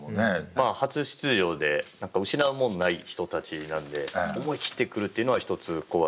まあ初出場で失うものない人たちなので思い切ってくるというのは一つ怖いですね。